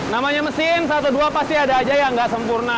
namanya mesin satu dua pasti ada aja yang nggak sempurna